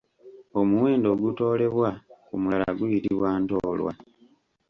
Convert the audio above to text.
Omuwendo ogutoolebwa ku mulala guyitibwa Ntoolwa.